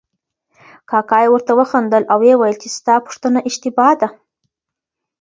کاکا یې ورته وخندل او ویې ویل چې ستا پوښتنه اشتباه ده.